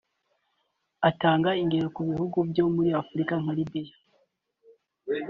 Atanga ingero ku bihugu byo muri Afurika nka Libya